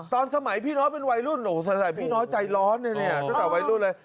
ตอนสมัยพี่น้องเป็นวัยรุ่นใส่พี่น้อยใจร้อนเลยเนี่ยตั้งแต่วัยรุ่นเลย